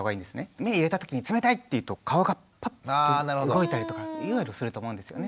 目入れた時に冷たい！っていうと顔がパッと動いたりとかすると思うんですよね。